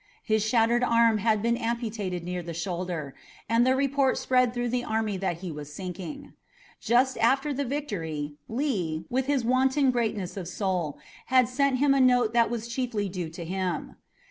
His shattered arm had been amputated near the shoulder, and the report spread through the army that he was sinking. Just after the victory, Lee, with his wonted greatness of soul, had sent him a note that it was chiefly due to him.